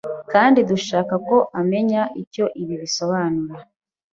kandi dushaka ko umenya icyo ibi bisobanura